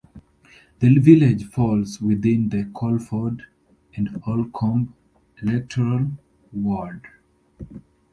The village falls within the 'Coleford and Holcombe' electoral Ward.